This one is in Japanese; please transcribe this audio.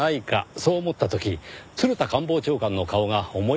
そう思った時鶴田官房長官の顔が思い浮かびました。